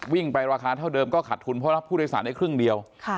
วิ่งไปราคาเท่าเดิมก็ขาดทุนเพราะรับผู้โดยสารได้ครึ่งเดียว